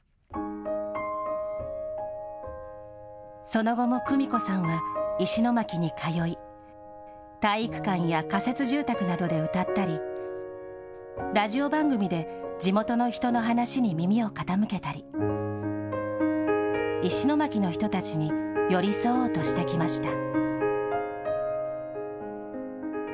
その後もクミコさんは、石巻に通い、体育館や仮設住宅などで歌ったり、ラジオ番組で地元の人の話に耳を傾けたり、石巻の人たちに寄り添おうとしてきました。